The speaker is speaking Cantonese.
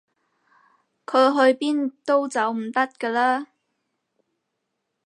佢去邊都走唔甩㗎啦